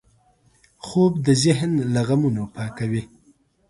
خوب د ذهن له غمونو پاکوي